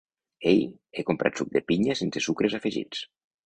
Ei, he comprat suc de pinya sense sucres afegits.